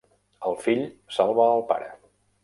El fill salva el pare.